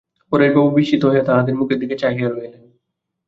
পরেশবাবু বিস্মিত হইয়া তাহার মুখের দিকে চাহিয়া রহিলেন।